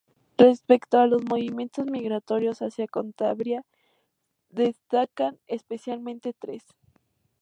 Respecto a los movimiento migratorio hacia Cantabria destacan especialmente tres.